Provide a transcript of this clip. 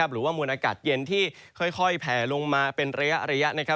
หรือว่ามวลอากาศเย็นที่ค่อยแผลลงมาเป็นระยะ